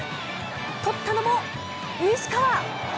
とったのも西川！